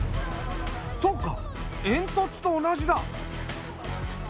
そうか煙突と同じだ。